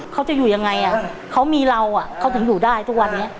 เขาจะอยู่ยังไงเขามีเราเขาถึงอยู่ได้ทุกวันนี้